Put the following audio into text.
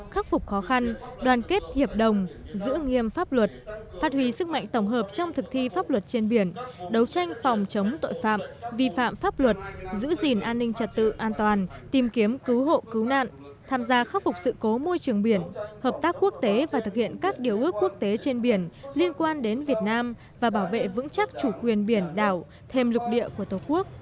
khắc phục khó khăn đoàn kết hiệp đồng giữ nghiêm pháp luật phát huy sức mạnh tổng hợp trong thực thi pháp luật trên biển đấu tranh phòng chống tội phạm vi phạm pháp luật giữ gìn an ninh trật tự an toàn tìm kiếm cứu hộ cứu nạn tham gia khắc phục sự cố môi trường biển hợp tác quốc tế và thực hiện các điều ước quốc tế trên biển liên quan đến việt nam và bảo vệ vững chắc chủ quyền biển đảo thêm lục địa của tổ quốc